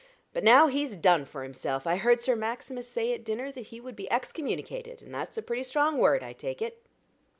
But now he's done for himself. I heard Sir Maximus say at dinner that he would be excommunicated; and that's a pretty strong word, I take it."